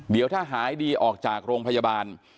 เดี๋ยวถ้าหายดีออกจากโรงพยาบาล